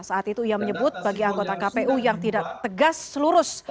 saat itu ia menyebut bagi anggota kpu yang tidak tegas lurus